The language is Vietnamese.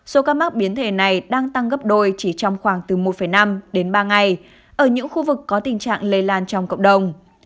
số ca mắc biến thể này đang tăng gấp đôi chỉ trong khoảng từ một năm đến ba ngày ở những khu vực có tình trạng lây lan trong cộng đồng